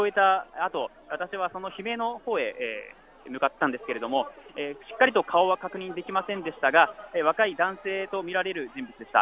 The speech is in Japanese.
あと私はその悲鳴のほうへ向かったんですが、しっかりと顔は確認できませんでしたが若い男性と見られる人物でした。